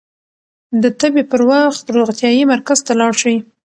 د تبې پر وخت روغتيايي مرکز ته لاړ شئ.